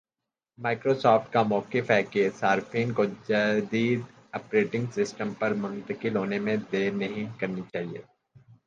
Microsoft کا مؤقف ہے کہ صارفین کو جدید آپریٹنگ سسٹم پر منتقل ہونے میں دیر نہیں کرنی چاہیے